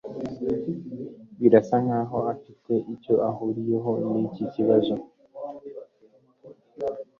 Birasa nkaho afite icyo ahuriyeho niki kibazo